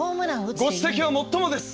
ご指摘はもっともです！